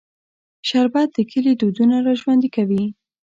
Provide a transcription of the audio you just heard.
شربت د کلي دودونه راژوندي کوي